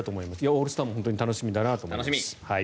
オールスターも本当に楽しみだなと思います。